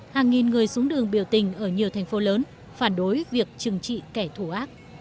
hàng nghìn người xuống đường biểu tình ở nhiều thành phố lớn phản đối việc trừng trị kẻ thù ác